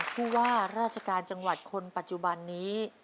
ผู้ว่าราชการจังหวัดคนปัจจุบันนี้